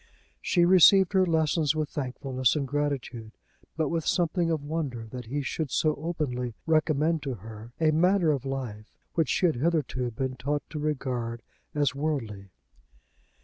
She received her lessons with thankfulness and gratitude, but with something of wonder that he should so openly recommend to her a manner of life which she had hitherto been taught to regard as worldly.